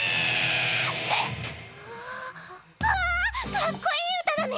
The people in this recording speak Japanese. かっこいい歌だね。